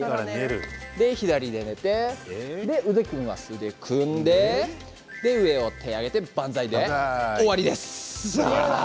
左に寝て、腕を組んで上に手を上げて万歳終わりです。